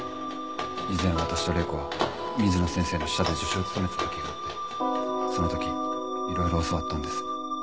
以前私と礼子は水野先生の下で助手を務めてた時があってその時いろいろ教わったんです。